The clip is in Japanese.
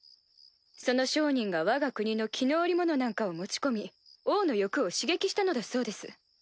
その商人がわが国の絹織物なんかを持ち込み王の欲を刺激したのだそうです。